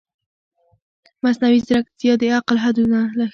مصنوعي ځیرکتیا د عقل حدونه ښيي.